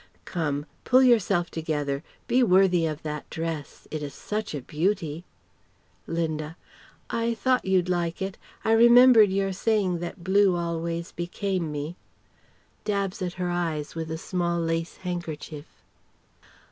"Come! Pull yourself together. Be worthy of that dress. It is such a beauty." Linda: "I thought you'd like it. I remembered your saying that blue always became me." (Dabs at her eyes with a small lace handkerchief.)